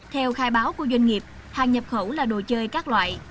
theo khai báo của doanh nghiệp hàng nhập khẩu là đồ chơi các loại